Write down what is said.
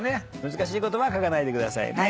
難しい言葉は書かないでくださいね。